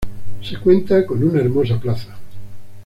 Se cuenta con una hermosa plaza.